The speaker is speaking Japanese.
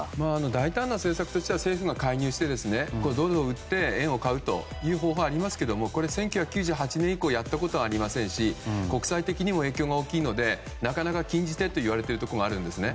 大胆な政策としては政府が介入してドルを売って円を買うという方法がありますがこれは１９９８年以降やったことがありませんし国際的にも影響が大きいのでなかなか禁じ手と言われていることもあるんです。